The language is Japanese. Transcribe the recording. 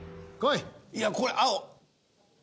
いやこれ青。